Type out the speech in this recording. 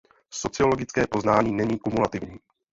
Sociologické poznání není kumulativní.